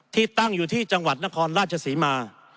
ที่ตั้งอยู่ที่จังหวัดนครราชศรีมา